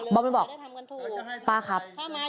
อมไปบอกป้าครับ